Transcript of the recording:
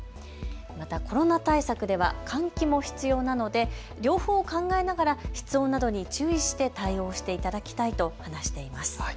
またコロナ対策では換気も必要なので両方を考えながら室温などに注意して対応していただきたいと話しています。